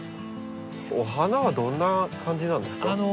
お花はどんな感じなんですか？